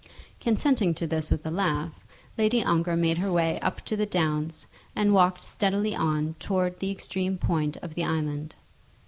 Consenting to this with a laugh, Lady Ongar made her way up to the downs, and walked steadily on towards the extreme point of the island.